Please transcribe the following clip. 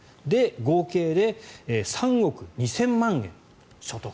合計で３億２０００万円所得。